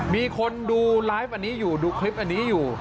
มีคนดูไลฟ์อันนี้อยู่ดูคลิปอันนี้อยู่